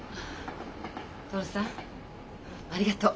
徹さんありがとう。